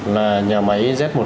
là nhà máy z một trăm hai mươi một